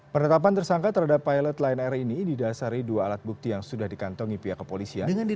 penetapan tersangka terhadap pilot lion air ini didasari dua alat bukti yang sudah dikantongi pihak kepolisian